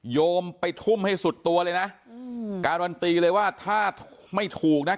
โยมไปทุ่มให้สุดตัวเลยนะการันตีเลยว่าถ้าไม่ถูกนะ